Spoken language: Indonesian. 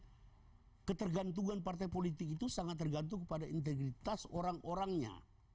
sekarang begini ketergantungan partai politik itu sangat tergantung kepada integritas orangnya